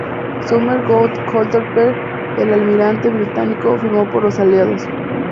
Somerset Gough-Calthorpe, el almirante británico, firmó por los Aliados.